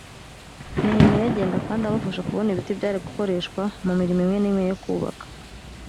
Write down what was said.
nehemiya agenda kandi amufasha kubona ibiti byari gukoreshwa mu mirimo imwe n imwe yo kubaka